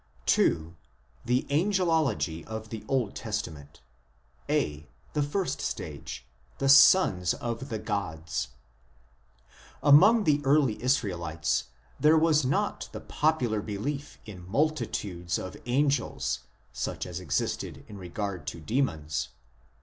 II. THE ANGELOLOGY OF THE OLD TESTAMENT (a) The First Stage : the " sons of the gods" Among the early Israelites there was not the popular belief in multitudes of angels such as existed in regard to demons.